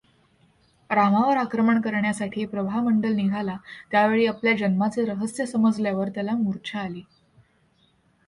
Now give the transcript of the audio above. रामावर आक्रमण करण्यासाठी प्रभामंडल निघाला त्यावेळी आपल्या जन्माचे रहस्य समजल्यावर त्याला मूर्च्छा आली.